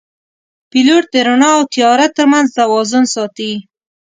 پیلوټ د رڼا او تیاره ترمنځ توازن ساتي.